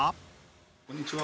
こんにちは。